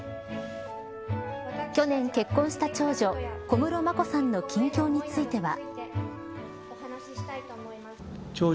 去年結婚した長女小室眞子さんの近況については。